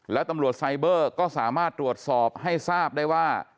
แล้วตำรวจไซเบอร์ก็สามารถตรวจสอบให้ทราบได้ว่า